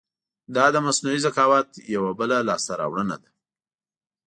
دا د مصنوعي ذکاوت یو بله لاسته راوړنه ده.